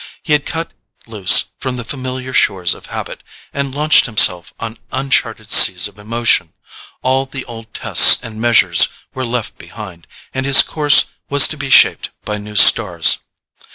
He had cut loose from the familiar shores of habit, and launched himself on uncharted seas of emotion; all the old tests and measures were left behind, and his course was to be shaped by new stars.